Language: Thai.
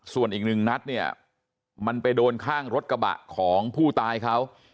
ส่วนอีกหนึ่งนัดเนี่ยมันไปโดนข้างรถกระบะของผู้ตายเขา